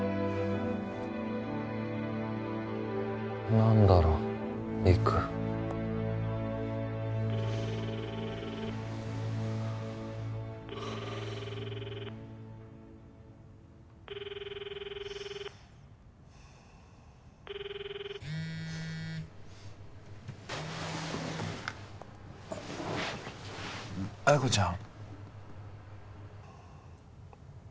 何だろう陸彩子ちゃん？